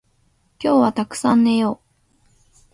今日はたくさん寝よう